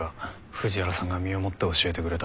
藤原さんが身をもって教えてくれた。